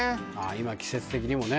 今季節的にもね。